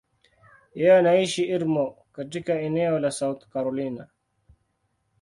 Yeye anaishi Irmo, katika eneo la South Carolina.